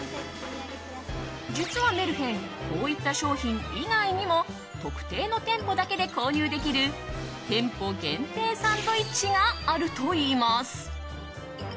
実はメルヘンこういった商品以外にも特定の店舗だけで購入できる店舗限定サンドイッチがあるといいます。